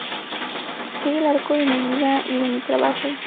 Sigue el arco de mi vida y de mi trabajo.